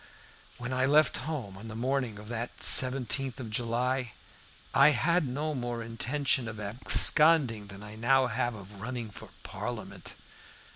When I left home on the morning of that 17th of July, I had no more intention of absconding than I now have of running for Parliament.